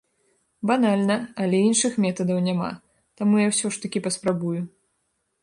Банальна, але іншых метадаў няма, таму я ўсё ж такі паспрабую.